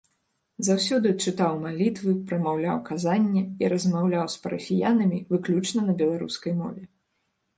Заўсёды чытаў малітвы, прамаўляў казання і размаўляў з парафіянамі выключна на беларускай мове.